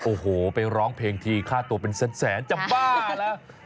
โอ้โหไปร้องเพลงทีค่าตัวเป็นแสนจะบ้าแล้ว